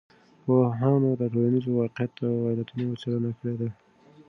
پوهانو د ټولنیز واقعیت د علتونو څېړنه کړې ده.